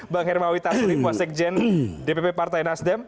bang hermawi tasulipo sekjen dpp partai nasdem